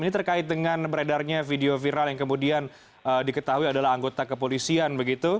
ini terkait dengan beredarnya video viral yang kemudian diketahui adalah anggota kepolisian begitu